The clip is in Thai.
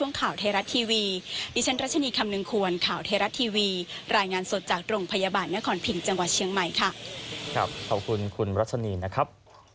ของข่าวเทรัตน์ทีวีดิฉันรัชนีคำนึงควรข่าวเทรัตน์ทีวีรายงานสดจากโรงพยาบาลนครพิศจังหวัดเชียงใหม่ค่ะครับขอบคุณคุณรัชนีนะครับ